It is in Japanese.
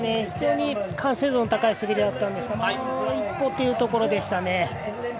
非常に完成度の高い滑りだったんですがもう一歩というところでしたね。